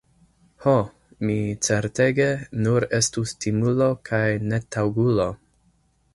Ho, mi, certege, nur estus timulo kaj netaŭgulo!